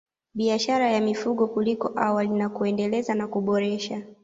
Biashara ya mifugo kuliko awali na kuendeleza na kuboresha